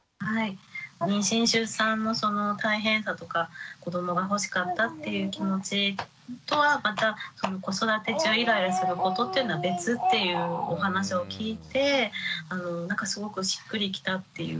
妊娠出産の大変さとか子どもが欲しかったっていう気持ちとはまた子育て中イライラすることっていうのは別っていうお話を聞いてなんかすごくしっくりきたっていうか。